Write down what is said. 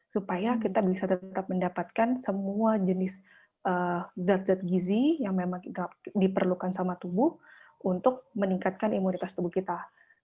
supaya kita bisa tetap mendapatkan semua jenis zat zat gizi yang kita inginkan